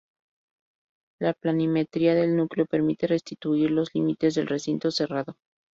La planimetría del núcleo permite restituir los límites del recinto cerrado.